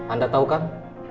anda tau kan